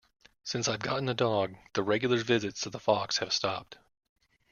Since I've gotten a dog, the regular visits of the fox have stopped.